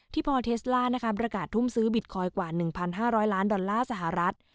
พอเทสล่าประกาศทุ่มซื้อบิตคอยนกว่า๑๕๐๐ล้านดอลลาร์สหรัฐ